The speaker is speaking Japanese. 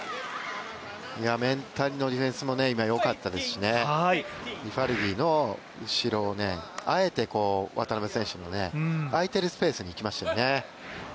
メンタリのディフェンスも今良かったですしリファルディの後ろをあえて渡辺選手の空いているスペースに行きましたよね。